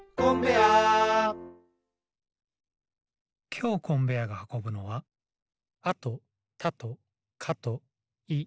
きょうコンベアーがはこぶのは「あ」と「た」と「か」と「い」。